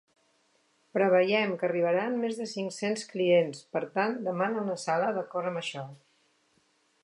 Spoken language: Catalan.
Preveiem que arribaran més de cinc-cents clients, per tant, demana una sala d'acord amb això.